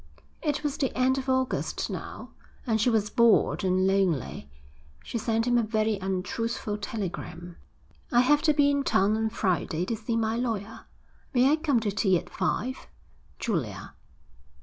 It was the end of August now, and she was bored and lonely. She sent him a very untruthful telegram. I have to be in town on Friday to see my lawyer. May I come to tea at five? _Julia.